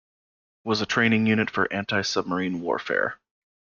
Was a training unit for antisubmarine warfare.